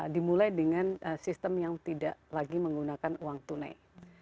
dimulai dengan sistem yang tidak lagi menggunakan uang tunai